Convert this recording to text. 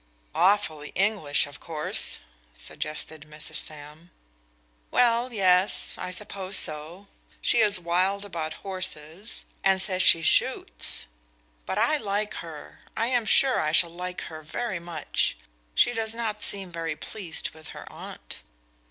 "Awfully English, of course," suggested Mrs. Sam. "Well yes, I suppose so. She is wild about horses, and says she shoots. But I like her I am sure I shall like her very much. She does not seem very pleased with her aunt."